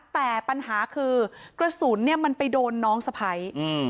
แต่ปัญหาคือกระสุนเนี่ยมันไปโดนน้องสะพ้ายอืม